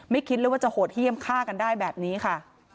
คิดเลยว่าจะโหดเยี่ยมฆ่ากันได้แบบนี้ค่ะ